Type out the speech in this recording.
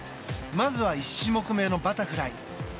まずは１種目めのバタフライ。